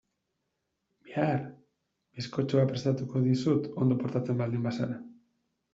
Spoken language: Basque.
Bihar bizkotxo bat prestatuko dizut ondo portatzen baldin bazara.